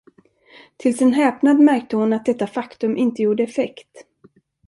Till sin häpnad märkte hon att detta faktum inte gjorde effekt.